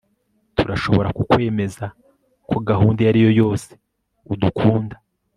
Turashobora kukwemeza ko gahunda iyo ari yo yose udukunda